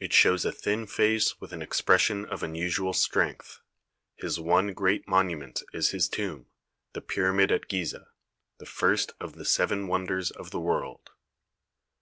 It shows a thin face with an expres sion of unusual strength. His one great monument is his tomb the Pyramid at Gizeh, the first of the Seven Wonders of the World.